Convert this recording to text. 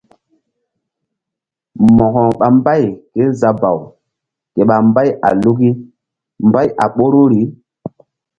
Mo̧ko ɓa mbay kézabaw ke ɓa mbay a luki mbay a ɓoruri.